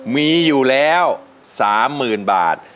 มีอยู่แล้ว๓๐๐๐บาท